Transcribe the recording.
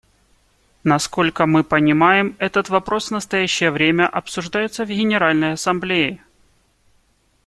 Насколько мы понимаем, этот вопрос в настоящее время обсуждается в Генеральной Ассамблее.